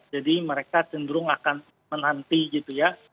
mereka cenderung akan menanti gitu ya